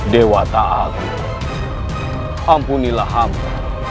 dewa ta'akul ampunilah hamba